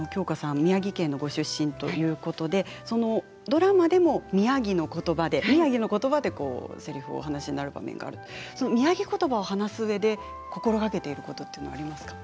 宮城県ご出身ということでドラマでも宮城のことばでせりふをお話しになる場面がありますが、宮城ことばを話すうえで心がけていることはありますか？